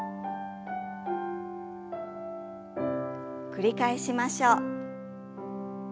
繰り返しましょう。